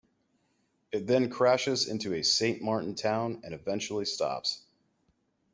It then crashes into a Saint Martin town and eventually stops.